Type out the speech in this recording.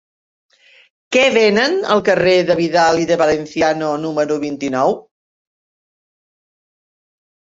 Què venen al carrer de Vidal i de Valenciano número vint-i-nou?